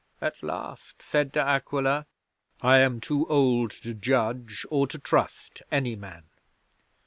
'At last said De Aquila: "I am too old to judge, or to trust any man.